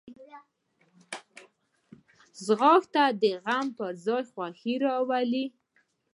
ځغاسته د غم پر ځای خوښي راولي